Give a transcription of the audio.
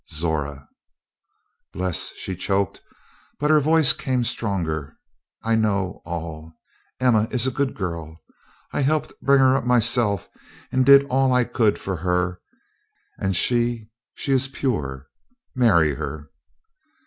"Zora!" "Bles," she choked, but her voice came stronger, "I know all. Emma is a good girl. I helped bring her up myself and did all I could for her and she she is pure; marry her."